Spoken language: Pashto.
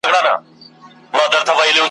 په پردي لاس مار هم مه وژنه